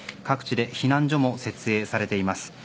各地で避難所も設営されています。